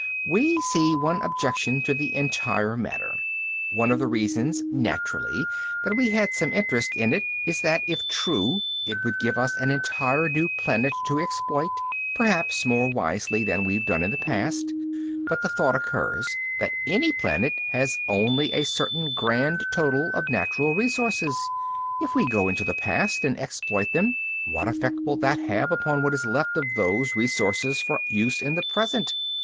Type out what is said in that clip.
"We see one objection to the entire matter. One of the reasons, naturally, that we had some interest in it is that, if true, it would give us an entire new planet to exploit, perhaps more wisely than we've done in the past. But the thought occurs that any planet has only a certain grand total of natural resources. If we go into the past and exploit them, what effect will that have upon what is left of those resources for use in the present?